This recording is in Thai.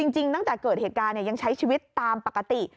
จริงตั้งแต่เกิดเหตุการณ์ยังใช้ชีวิตตามปกติ